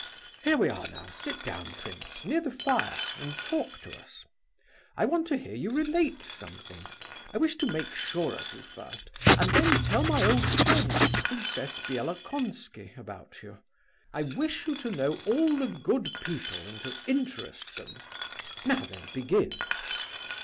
Here we are, now; sit down, prince, near the fire and talk to us. I want to hear you relate something. I wish to make sure of you first and then tell my old friend, Princess Bielokonski, about you. I wish you to know all the good people and to interest them. Now then, begin!"